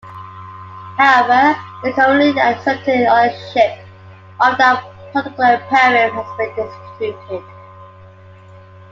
However, the commonly accepted authorship of that particular poem has been disputed.